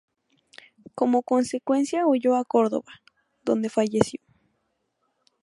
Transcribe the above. Como consecuencia huyó a Córdoba, donde falleció.